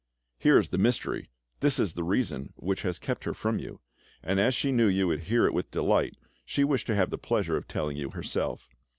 Here is the mystery, this is the reason which has kept her from you, and as she knew you would hear it with delight, she wished to have the pleasure of telling you herself.